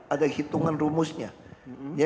ada hitungan rumusnya